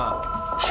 はい！